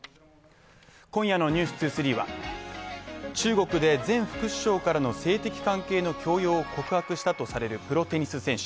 今夜の「ｎｅｗｓ２３」は中国で前副首相から性的関係の強要を告白したとされるプロテニス選手。